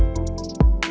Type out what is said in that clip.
sáu mươi độ c